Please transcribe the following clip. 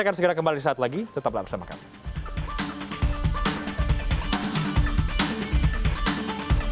akan segera kembali saat lagi tetaplah bersama kami